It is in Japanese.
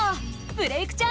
「ブレイクッ！